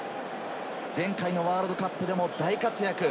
前回のワールドカップでも大活躍。